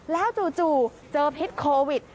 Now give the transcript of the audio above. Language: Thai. แล้วจู่เจอพิษโควิด